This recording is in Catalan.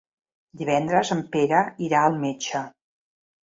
Divendres en Pere irà al metge.